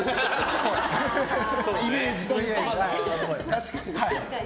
確かにね。